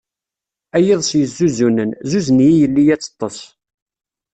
A yiḍes yezzuzunen, zuzen-iyi yelli ad teṭṭes.